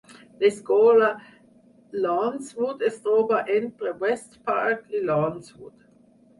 L'escola Lawnswood es troba entre West Park i Lawnswood.